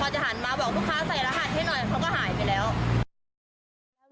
พอจะหันมาบอกลูกค้าใส่รหัสให้หน่อยเขาก็หายไปแล้ว